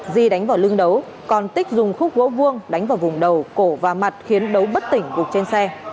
di đánh vào lưng đấu còn tích dùng khúc gỗ vuông đánh vào vùng đầu cổ và mặt khiến đấu bất tỉnh gục trên xe